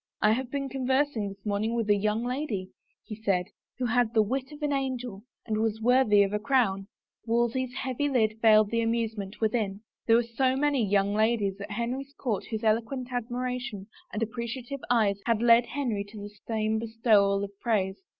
" I have been conversing this morning with a young lady," said he, " who had the wit of an angel — and was worthy of a crown." Wolsey's heavy lid veiled the amusement within. There were so many young ladies at Henry's court whose eloquent admiration and appreciative eyes had led Henry to the same bestowal of praise!